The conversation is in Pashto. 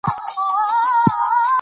ځکه انګرېزانو هېڅکله دا نه غوښتل